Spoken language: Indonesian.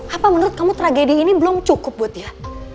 apa menurut kamu tragedi ini belum cukup buat ya